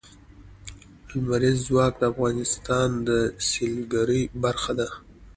لمریز ځواک د افغانستان د سیلګرۍ برخه ده.